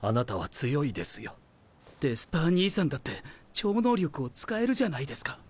デスパー兄さんだって超能力を使えるじゃないですか。